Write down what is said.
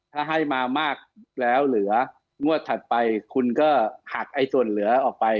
ถ้าให้มามากแล้วเหลืองวดถัดไปคุณก็หักไอ้ส่วนเหลือออกไป